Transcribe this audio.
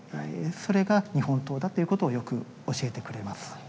それが日本刀だということをよく教えてくれます。